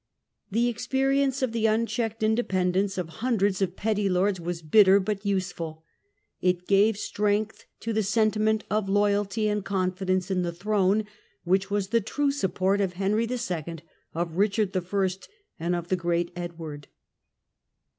The experience of the unchecked independence of hundreds of petty lords was bitter but useful; it gave strength to the sentiment of loyalty and confidence in the throne, which was the true support of Henry II., of Richard I., of the great Edward.